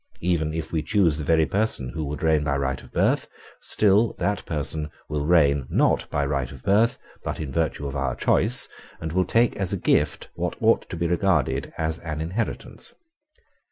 Even if we choose the very person who would reign by right of birth, still that person will reign not by right of birth, but in virtue of our choice, and will take as a gift what ought to be regarded as an inheritance.